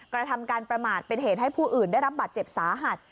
กระทำการประมาทเป็นเหตุให้ผู้อื่นได้รับบาดเจ็บสาหัส